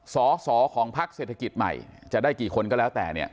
สอสอของพักเศรษฐกิจใหม่จะได้กี่คนก็แล้วแต่เนี่ย